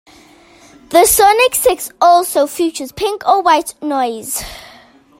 The Sonic Six also features pink or white noise.